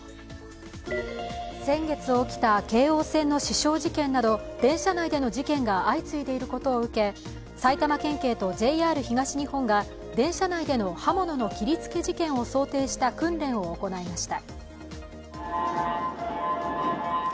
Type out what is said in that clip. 先月起きた京王線の刺傷事件など電車内での事件が相次いでいることを受け、埼玉県警とＪＲ東日本が電車内での刃物の切りつけ事件を想定した訓練を行いました。